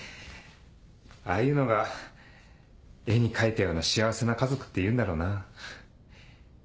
ああいうのが絵に描いたような幸せな家族っていうんだろうな。